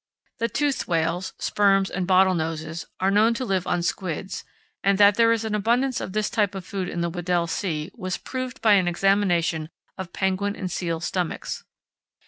The toothed whales—sperms and bottlenoses—are known to live on squids, and that there is an abundance of this type of food in the Weddell Sea was proved by an examination of penguin and seal stomachs.